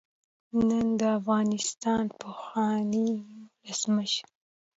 نن د افغانستان د پخواني ولسمشر